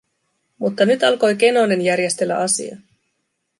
Mutta nyt alkoi Kenonen järjestellä asiaa.